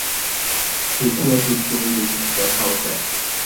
দেখিয়া জ্বলিতে হইবে, কিন্তু দেখাও চাই।